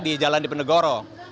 di jalan di penegoro